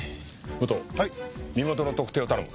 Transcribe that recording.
武藤身元の特定を頼む。